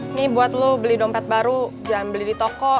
ini buat lo beli dompet baru jangan beli di toko